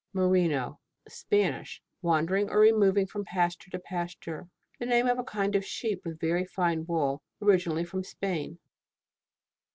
MERINO Spanish. Wandering or removing from pasture to pasture. The name of a kind of sheep with very fine wool, originally from Spain.